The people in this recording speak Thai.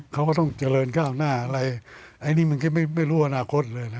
เขาก็ต้องเจริญก้าวหน้าอะไรอันนี้มันก็ไม่รู้อนาคตเลยนะ